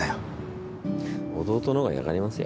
弟のほうが嫌がりますよ。